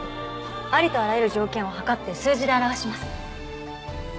ありとあらゆる条件をはかって数字で表します。